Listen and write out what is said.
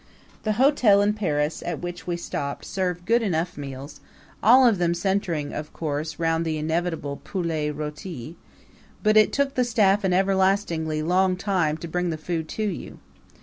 The hotel in Paris at which we stopped served good enough meals, all of them centering, of course, round the inevitable poulet roti; but it took the staff an everlastingly long time to bring the food to you.